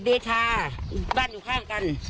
เดชาบ้านอยู่ข้างกัน